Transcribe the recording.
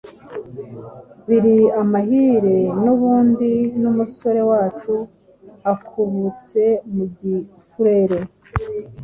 Biri amahire n’ubundi n’umusore wacu akubutse mu gifurere”,